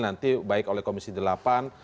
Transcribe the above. nanti baik oleh komisi delapan